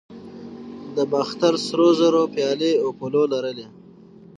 د باختر سرو زرو پیالې اپولو لري